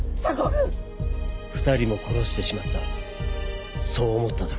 ２人も殺してしまったそう思った時。